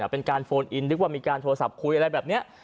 เป็นการโฟนอินนึกว่ามีการโทรศัพท์คุยอะไรแบบนี้